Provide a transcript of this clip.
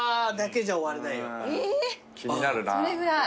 それぐらい？